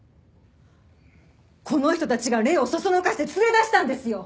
この人たちが礼をそそのかして連れ出したんですよ！？